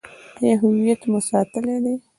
آیا هویت مو ساتلی دی؟